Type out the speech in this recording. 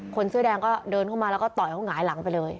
คนเสื้อแดงก็เดินเข้ามาแล้วก็ต่อยเขาหงายหลังไปเลย